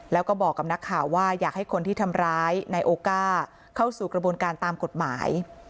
แล้วก็บอกกับนักข่าวว่าอยากให้คนที่ทำร้ายนายโอก้าเข้าสู่กระบวนการตามกฎหมาย